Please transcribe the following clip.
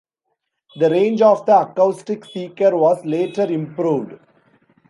The range of the acoustic seeker was later improved.